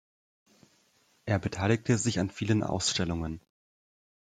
Er beteiligte sich an vielen Ausstellungen.